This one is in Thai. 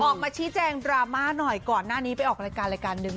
ออกมาชี้แจงดราม่าหน่อยก่อนหน้านี้ไปออกรายการรายการหนึ่ง